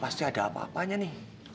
pasti ada apa apanya nih